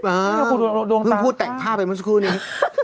นั่นเพิ่งพูดแต่งภาพไปมาสักครู่นี้